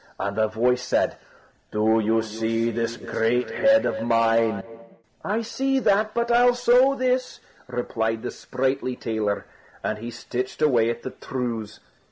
And the voice said: "Do you see this great head of mine?" "I see that, but I'll sew this!" replied the sprightly tailor; and he stitched away at the trews.